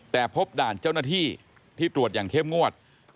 แต่พบด่านเจ้าหน้าที่ที่ตรวจอย่างเข้มงวด